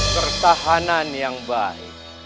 pertahanan yang baik